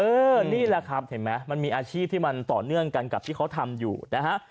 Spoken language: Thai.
นี่แหละครับเห็นไหมมันมีอาชีพที่มันต่อเนื่องกันกับที่เขาทำอยู่นะฮะ